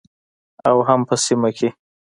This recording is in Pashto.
او هم په سیمه کې